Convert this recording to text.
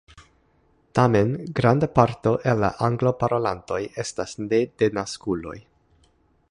Tamen, granda parto el la Anglo-parolantoj estas ne-denaskuloj.